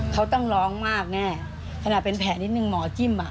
เขาต้องร้องมากแน่ขนาดเป็นแผลนิดนึงหมอจิ้มอ่ะ